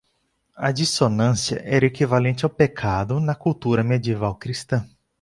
A dissonância era equivalente ao pecado na cultura medieval cristã.